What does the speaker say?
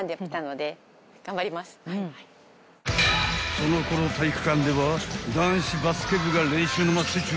［そのころ体育館では男子バスケ部が練習の真っ最中］